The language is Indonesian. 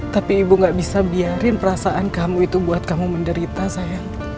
tapi ibu gak bisa biarin perasaan kamu itu buat kamu menderita sayang